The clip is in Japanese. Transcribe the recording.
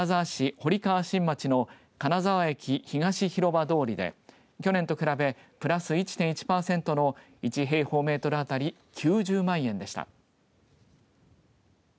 堀川新町の金沢駅東広場通りで去年と比べプラス１．１パーセントの１平方メートル当たり９０万円でした。